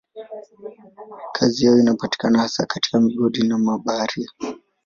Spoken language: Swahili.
Kazi yao inapatikana hasa katika migodi na kama mabaharia.